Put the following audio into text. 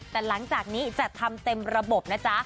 แต่หลังจากนี้จะทำเต็มระบบนะจ๊ะ